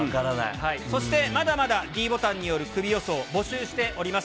そして、まだまだｄボタンによるクビ予想、募集しております。